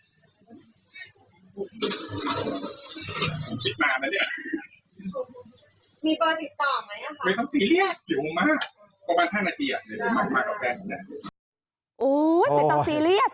อุ้ยไม่ต้องซีเรียส